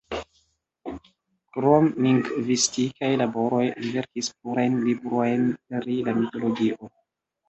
Krom lingvistikaj laboroj, li verkis plurajn librojn pri la mitologio.